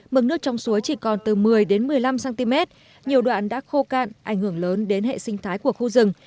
mực nước trong suối chỉ còn từ một mươi một mươi năm cm nhiều đoạn đã khô cạn ảnh hưởng lớn đến hệ sinh thái của khu rừng